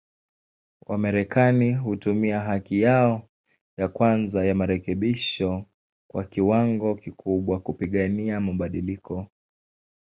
Wamarekani hutumia haki yao ya kwanza ya marekebisho kwa kiwango kikubwa, kupigania mabadiliko.